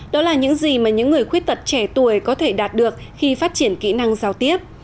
đó là những gì mà những người khuyết tật trẻ tuổi có thể đạt được khi phát triển kỹ năng giao tiếp